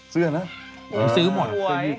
เสื้อนะสวย